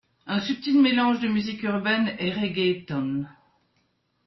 Un subtile mélange de musique Urbaine et Reggaeton.